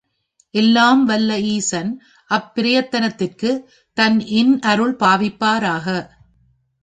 எல்லாம் வல்ல ஈசன் அப் பிரயத்தனத்திற்குத் தன் இன் அருள் பாவிப்பாராக!